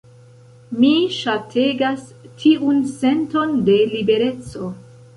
Mi ŝategas tiun senton de libereco.